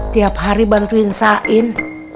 tiap hari bantuin sain